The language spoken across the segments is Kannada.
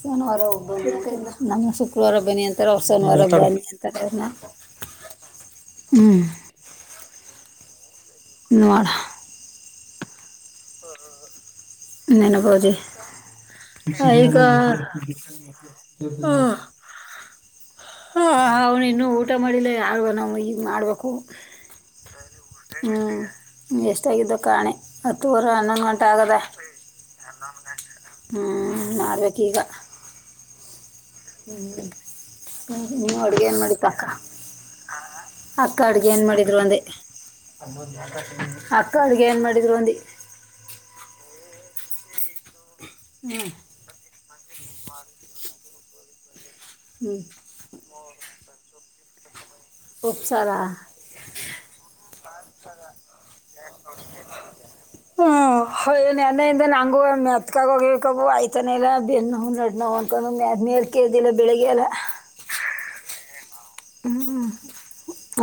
ಶನಿವಾರ ಒಬಿ ನಮ್ಮ್ ಶುಕ್ರವಾರ ಬನ್ನಿ ಅಂತಾರೆ ಅವ್ರ ಶನಿವಾರ ಬನ್ನಿ ಅಂತಾರೆನ ಹ್ಮ್ ನೋಡ ನನಬಾವಜಿ ಸಗನಲ್ ಹಾ ಹ ಇನ್ನುೂ ಊಟ ಮಾಡಲ ಆಳ್ುವ ನಾವು ಈಗ ಮಾಡಬೇಕು ಹ್ ಎಷ್ಟಾಗಿದ್ದೋ ಕಾಣೆ ಹತ್ತುವರೆ ಹನ್ನೊಂದು ಗಂಟೆ ಆಗದೆ ಹ್ ಮಾಡ್ಬೇಕು ಈಗ ನೀವು ಅಡ್ಗೆ ಏನ್ ಮಾಡತ್ತು ಅಕ್ಕ ಅಕ್ಕ ಅಡ್ಗೆ ಏನ್ ಮಾಡಿದ್ರು ಒಂದೆ ಅಕ್ಕ ಅಡ್ಗೆ ಏನ್ ಮಾಡಿದ್ರು ಒಂದ ಹ್ಮ್ [unintelligible] ಹ್ಮ ಉಪ್ಸಾರಾ ಹ್ಮ [unintelligible] ಮೆತ್ಕಾಗ ಹೋಗು ಆಯತಾನ ಎಲ್ಲ ಬೆ ನವು ನಡ್ ನವು ಅಂತಕ ಮೇ ಕ ಗೆಲ್ಲ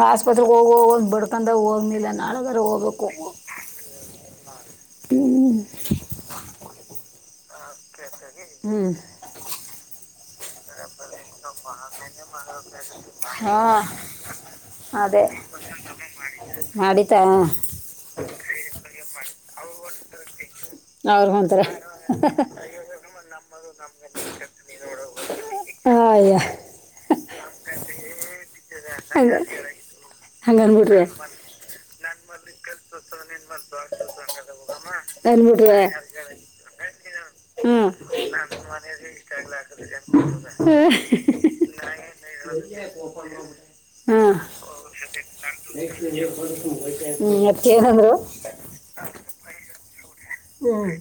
ಆಸ್ಪತ್ರೆಗೆ ಹೋಗೋಗ ಬಡ್ಕೊಂಡಾಗ ಹೋಗ್ನಿಲ್ಲ ನಾಳದ್ರ ಹೋಗ್ಬೇಕು ಹ ಹ್ಮ್ ಹಾ ಅದೇ ಅಿತ [inaudible] ಅವ ಹೊಂತಯನ್್ರಿ ಹ್ಮ ಹ್ಮ್ ನ ಮನ ಇಷ್ಟ ಆಗ್ಲ್ಲ ಹ [unintelligible] ಹಾ ಹ್ಮ ಅದೇನಂದ್ರು ಒ್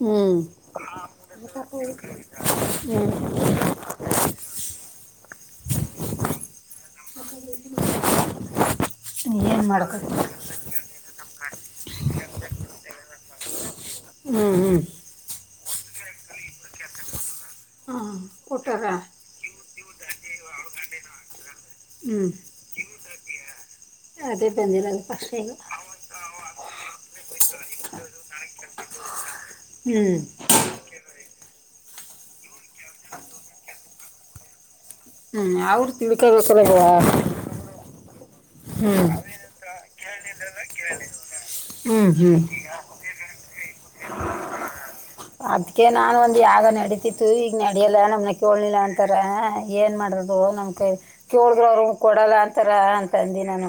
ಹ್ಮ್ ಹ್ಮ್ ಏನ್ ಮಾಡ್ಬೇಕ ಹ್ಮ್ ಹ್ಮ್ ಹ್ಮ ಕಊಟ್ಟಾರ ಹ್ಮ್ ಅದೇ ಬಂದಿಲ್ಲ ಪಕ್ಷಲ್ಲ ಹ್ಮ್ ಹ ಹ್ಮ್ ಅವ್ರ ತಿಳಿಕಸಲಾಗುವ ಹ್ಮ್ ಹ್ಮ್ ಹ್ಮ್ ಅದ್ಕ ನಾನ ಒಂದ ಯಾಗ ನಡೀತಿತ್ತು ಈಗ್ ನಡಿಯಲ್ಲ ನಮ್ನ ಕೇಳ್ಲಿಲ್ಲ ಅಂತಾರ ಏನ್ ಮಾಡದು ನಮ್ಕ ಜೋರ್್ರ ಅವರು ಕೊಡಲ್ಲ ಪ್ರರ ಂದಿನಾನು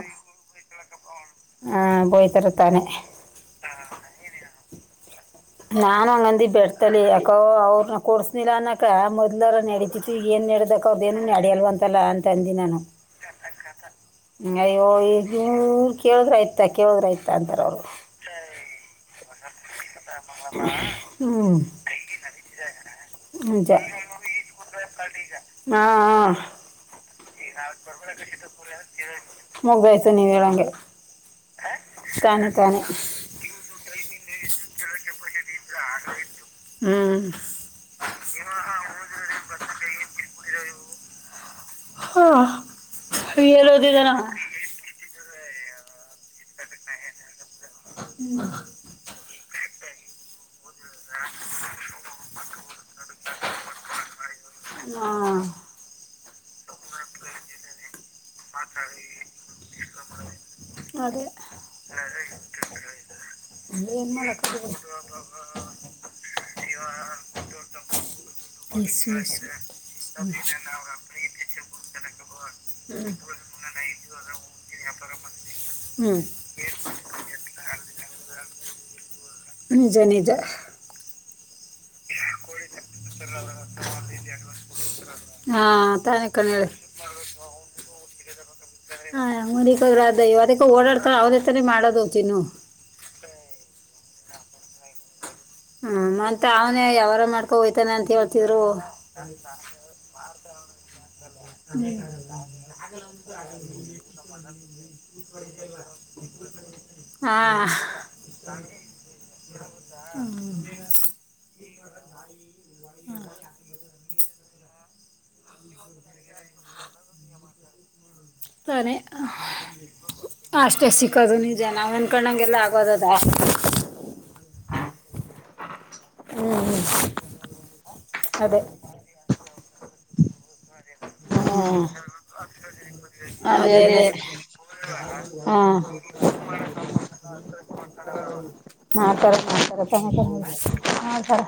ಹ ಬೋಯ್ತರುತ್ತಾನೆ ನಾನ ಹಂಗಂದಿ ಬೆಡ್ತಲ್ಲಿ ಯಾಕ ಅವ್ರನ್ನ ಕೊಡ್ಸನಿಲ್ಲ ಅನಕ ಮೊದ್ಲಾರ ನಡತಿತಿ ಏನ್ ನಡ್ದಕ ಅವ್ರದ ಏನು ನಡಿಯಲ್ವಂತಲ್ಲ ಅಂತಂದಿ ನಾನು ಅಯ್ಯೋ ಈ ಹ್ಮ ಕೇಳುದ್ರ ಆಯ್ತ ಕೇಳುದ್ರ ಆಯ್ತ ಅಂತಾರ ಅವ್ರು ಹ್ಮ ಹ ಮುಗ್ದಾಯ್ತು ನೀ ಹೇಳಗೆ ತಾನೆ ತಾನೆ ಹ್ಮ ಹೇಳ ಹ್ಮ್ ಹಾ ಅದೇ ಏನ್ ಮಾಡ ಹ್ಮ ಹ್ಮ್ ನಿಜೆ ನಿಜ ಹಾ ತಾನ ಕನ ಅನ್ರ ಅದ ಇ ಅದಕ್ಕೆ ಓಡಾಡ್ತಾರೆ ಅವದತಾನ ಮಾಡೋದವ ತಿನ್ನು ಹ್ಮ ಮತ್ತ ಅವನ ಯಾವಾರ ಮಾಡ್ಕೊ ಹೋಯ್ತಾನೆ ಅಂತ ಹೇಳ್ತಿದ್ರು ಹಾ ಹ್ಮ ತಾನ ಅಷ್ಟೇ ಸಿಕ್ಕೋದು ನೀ ಜನ ಕಕಣಂಗೆಲ್ಲ ಆಗೋದದ ಹ್ಮ್ ಅದೇ ಹ್ಮ್ ಹ ಸ ಅದೇ ಅದೇ ಹಾ ನತಾರೆತ ಹಾ ಸರ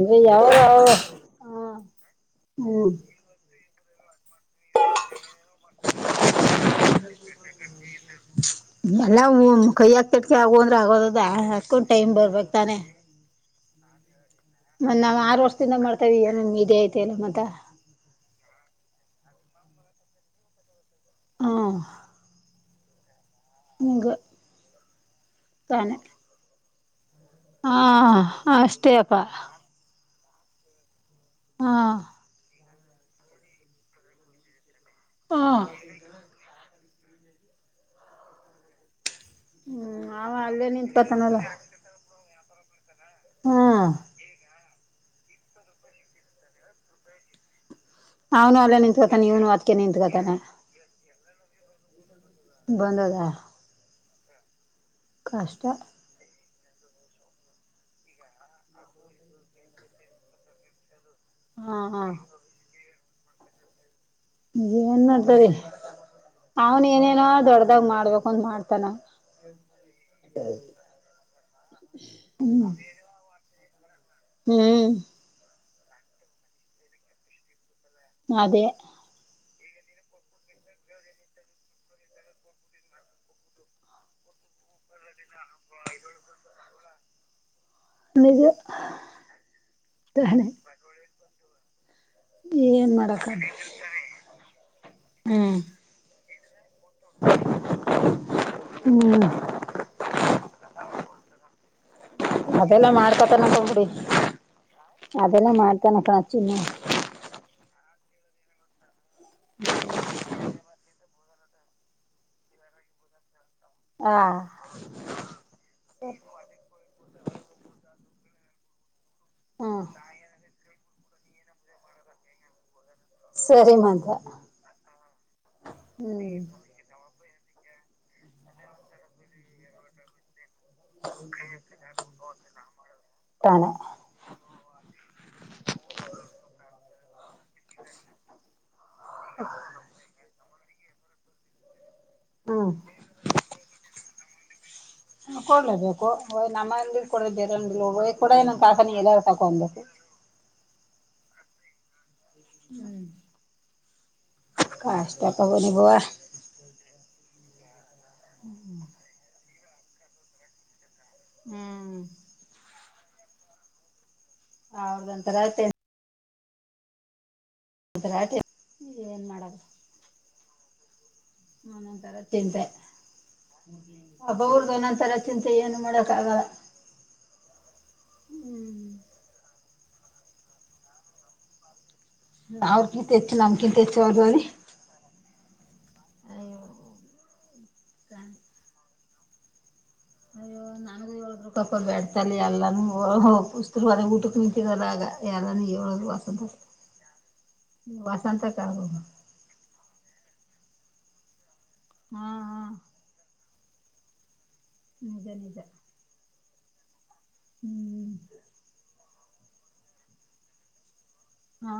ಹ ಹೌದ ಹ್ಮ ಎಲ್ಲಾ ಕೈ ಹಾಕ್ತಟ್ಕ ಆಗಂದ್ರ ಆಗೋದದ ಹಾಕೊಂಡ್ ಟೈಮ್ ಬರ್ಬೇಕಕ್ ತಾನೆ ಮ ನಾವ್ ಆರ್ ವರ್ಷದಿಂದ ಮಾಡ್ತೇವಿ ನಿಮ ಇದೇ ಐತೆ ಎಲ್ಲ ಮತ್ತ ಹಾ ನಿಗೆ ತಾನ ಹಾ ಅಷ್ಟೇ ಅಪ್ಪಾ ಹಾ ಹಾ ಹ್ಮ್ ಅವ ಅಲ್ಲೇ ನಿನ್ಪತನಲ್ಲ ಹ್ಮ್ ಅವನು ಅಲ್ಲ ನಿಂತ್ಕೊತಾನೆ ಇವನು ಅದಕ ನಿತ್ಕೊಳ್ತಾನೆ ಬಂದದ ಕಷ್ಟಟ ಹಾ ಹಾ ಏನ್ ಮಾಡಡ್ತರಿ ಅವ್ನ್ ಏನೇನೋ ದೊಡದಾಗ್ ಮಾಡ್ಬೇಕು ಅಂತ ಮಾಡ್ತಾನ ಹ್ಮ ಹ್ಮ್ ಅದೇ ಅದು ತಾನ ಏನ್ ಮಾಡಕ ಹ್ಮ್ ಹ್ಮ್ ಅದೆಲ್ಲ ಮಾಡ್ಕೊತನಕಂಗಡಿ ಅದೆಲ್ಲ ಮಾಡ್ತಾನಕಣ ಚಿನ್ನ ಹಾ ಹ್ಮ ಸರಿ ಮಾತೆ ತಣ ಹ್ಮ ಕೊಡ್ಲೇಬೇಕು ನಮ್ಮಲ್ಲಿ ಕೂಡ ಬೇರೆ ಕೂಡ ಏ ಕಾಕಾನಿ ಎಲ್ಲ ತಕೊಬೇಕು ಹ್ಮ ಕಷ್ಟತಕ ನಿ ಬುವ ಹ್ಮ್ ಹ್ಮ್ ಹೌದೊಂತರ ಅತೇ ರಾಟೆ ಏನ್ ಮಾಡದು ಒಂದೊಂ ತರ ಚಿಂತೆ ಹಬ್ಬ ಅವ್ರ್ದ ಒಂದೊಂದಂತರ ಚಿಂತೆ ಏನು ಮಾಡಕ್ ಆಗ ಹ್ಮ್ ಅವ್ರ ಕಿಂತ ಹೆಚ್ಚು ನಮ್ ಕಿಂತ ಹೆಚ್ಚು ಅವರ್ರಿ ಅ ಅಯ್ಯೋ ನನ ಏಳರು ಕಪ ಬ್ಯಾಡ್ತಲ್ಲ ಎಲ್ಲಾನ ಪಸ್ ಊಟಕ್ಕೆ ನಿಂತಿದಲ್ಲ ಆಗ ಯಾರಾನ ಏಳರು ವಸಂತ ವಸಂತ ಕ ಹಾ ಹಾ ನಿಜೆ ನಿಜದ ಹ್ಮ್ ಹಾ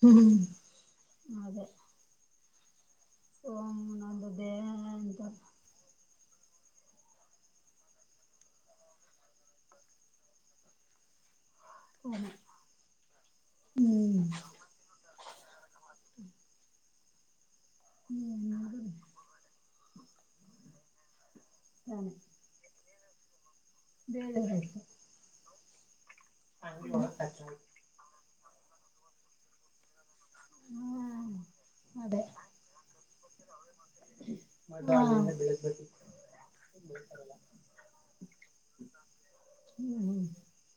ಹ್ಮ್ ಅದೇ ಓಂ ನಂದು ದೇ ಎಂತ ಹ ಹ್ಮ್ ಹ್ಮ್ ಹ್ಮ ಬೇಳ ಹ ಹ್ಮ್ ಅದೇ ಹ್ಮ್ ಹ್ಮ್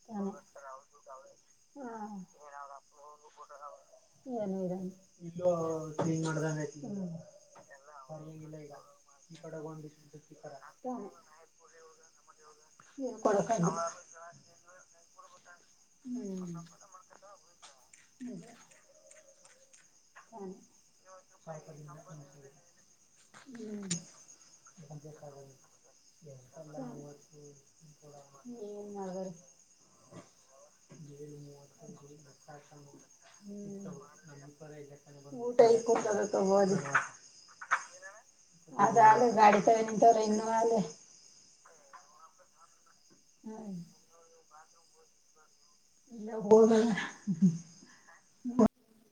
ತಾನೆ ಹಾ ಯನರ [unintelligible] ಹ್ಮ್ [inaudible] [inaudible] ಊಟ ಇ ಕುಟದ ತಗೋದು ಅದ ಆಾಲ ಗಾಡಿ ತವೆ ನಿಂತವ್ರ ಇನ್ನುೂ ಆಲೆ ಹ್ಮ್ ಇಲ್ಲ ಹ